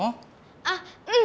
あっうん。